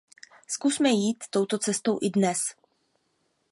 Zkusme jít touto cestou i dnes.